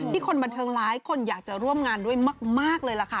คนบันเทิงหลายคนอยากจะร่วมงานด้วยมากเลยล่ะค่ะ